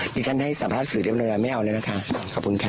ที่ท่านให้สัมภาษณ์สื่อเรียบร้อยแล้วไม่เอาแล้วนะคะขอบคุณค่ะ